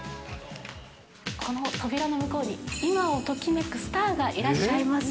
この扉の向こうに、今をときめくスターがいらっしゃいます。